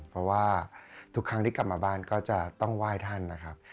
เพราะว่าทุกครั้งที่กลับมาบ้านก็จะต้องไหว้ท่านนะครับ